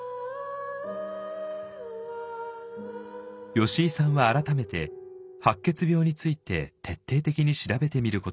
吉井さんは改めて白血病について徹底的に調べてみることにしました。